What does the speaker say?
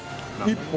１本？